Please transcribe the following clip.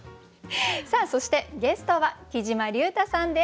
さあそしてゲストはきじまりゅうたさんです。